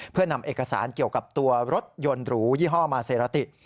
เพื่อนำเอกสารเกี่ยวกับตัวรถยนต์หรูยี่ห้อมาเซราติ